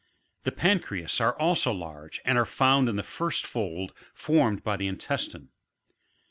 34. The pancreas are also large, and are found in the first fold formed by the intestine.